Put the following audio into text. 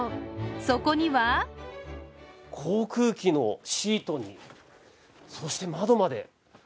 そこには航空機のシートにそして、窓まで。